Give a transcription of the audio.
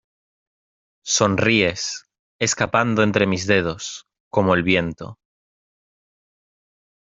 Sonríes, escapando entre mis dedos, como el viento